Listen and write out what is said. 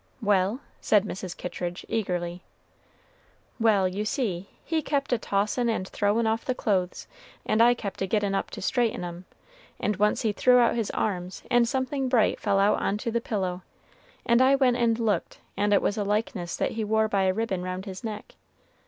"Well?" said Mrs. Kittridge, eagerly. "Well, you see he kept a tossin' and throwin' off the clothes, and I kept a gettin' up to straighten 'em; and once he threw out his arms, and something bright fell out on to the pillow, and I went and looked, and it was a likeness that he wore by a ribbon round his neck.